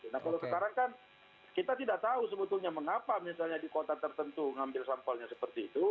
nah kalau sekarang kan kita tidak tahu sebetulnya mengapa misalnya di kota tertentu ngambil sampelnya seperti itu